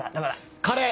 カレー！